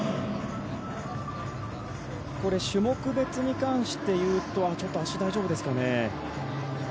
種目別に関して言うと足、大丈夫ですかね。